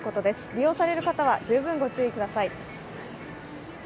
利用される方は十分ご注意ください